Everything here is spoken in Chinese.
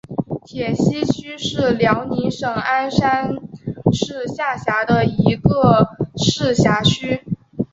铁西区是辽宁省鞍山市下辖的一个市辖区。